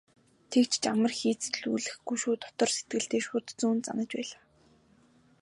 "Тэгж ч амар хийцлүүлэхгүй шүү" дотор сэтгэлдээ шүд зуун занаж байлаа.